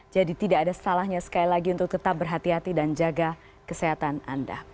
jadi tidak ada salahnya sekali lagi untuk tetap berhati hati dan jaga kesehatan anda